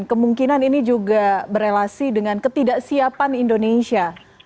kemungkinan ini juga berrelasi dengan ketidaksiapan indonesia